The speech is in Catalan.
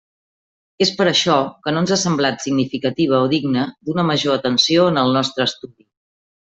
És per això que no ens ha semblat significativa o digna d'una major atenció en el nostre estudi.